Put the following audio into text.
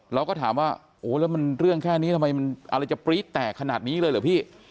เราก็ถามว่าโอ้แล้วมันเรื่องแค่นี้ทำไมมันอะไรจะปรี๊ดแตกขนาดนี้เลยเหรอพี่